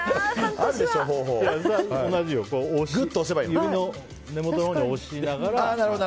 指の根元のほうに押しながら。